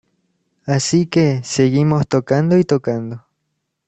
Así que seguimos tocando y tocando.